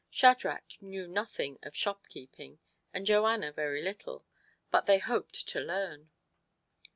Shadrach knew nothing of shopkeeping, and Joanna very little, but they hoped to learn.